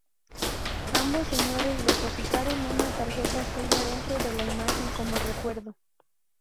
Ambos señores depositaron una tarjeta suya dentro de la imagen, como recuerdo.